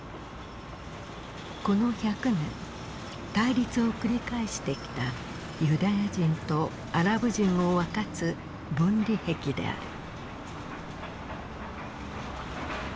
この１００年対立を繰り返してきたユダヤ人とアラブ人を分かつ分離壁である。